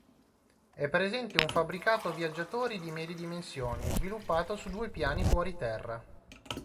È presente un fabbricato viaggiatori di medie dimensioni, sviluppato su due piani fuori terra.